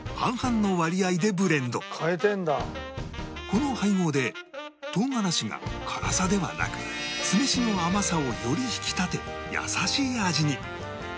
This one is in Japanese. この配合でとうがらしが辛さではなく酢飯の甘さをより引き立て優しい味に